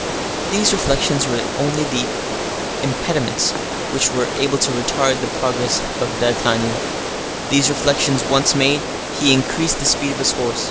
These reflections were the only impediments which were able to retard the progress of D'Artagnan. These reflections once made, he increased the speed of his horse.